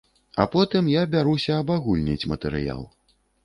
А потым я бяруся абагульніць матэрыял.